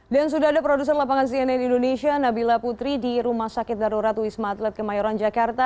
dan sudah ada produser lapangan cnn indonesia nabila putri di rumah sakit darurat wisma atlet kemayoran jakarta